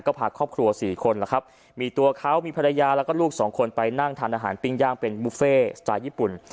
ก็พาครอบครัวสี่คนแล้วครับมีตัวเขามีภรรยาแล้วก็ลูกสองคนไปนั่งทานอาหารปิ้งย่างเป็นบุฟเฟ่สไตล์ญี่ปุ่น